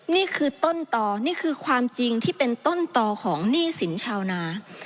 นี่คือต้นต่อนี่คือความจริงที่เป็นต้นต่อของหนี้สินชาวนา